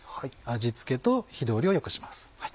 味付けと火通りを良くします。